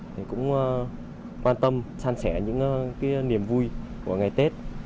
thì cũng quan tâm san sẻ những cái niềm vui của ngày tết